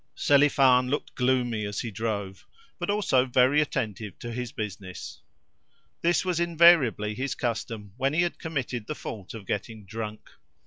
Selifan looked gloomy as he drove, but also very attentive to his business. This was invariably his custom when he had committed the fault of getting drunk.